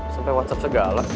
sampai whatsapp segala